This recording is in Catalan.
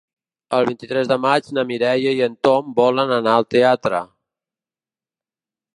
El vint-i-tres de maig na Mireia i en Tom volen anar al teatre.